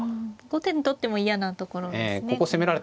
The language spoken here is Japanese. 後手にとっても嫌なところですね。